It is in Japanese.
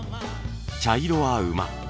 茶色は馬。